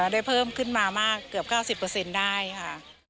ได้เพิ่มขึ้นมามากเกือบ๙๐ได้ค่ะ